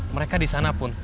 mereka di sana pun